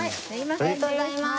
ありがとうございます。